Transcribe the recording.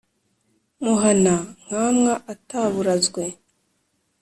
muhana-nkamwa ataburazwe